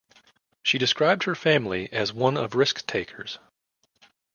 She described her family as one of risk takers.